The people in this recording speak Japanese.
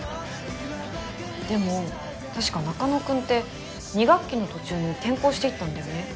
でも確か中野くんって２学期の途中に転校していったんだよね。